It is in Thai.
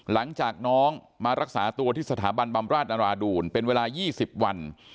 หลังจากน้องมารักษาตัวที่สถาบันบำราชนราดูลเป็นเวลา๒๐วัน